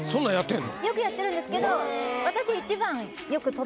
よくやってるんですけどはははっ。